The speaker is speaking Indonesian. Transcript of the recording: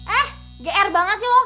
eh gr banget sih lo